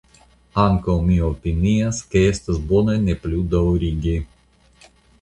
Ankaŭ mi opinias ke estos bone ne plu daŭrigi.